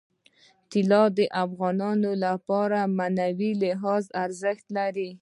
طلا د افغانانو لپاره په معنوي لحاظ ارزښت لري.